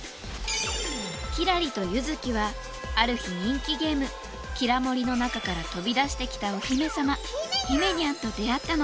キラリとユヅキはある日人気ゲーム「キラもり」の中から飛び出してきたお姫様ひめにゃんと出会ったの。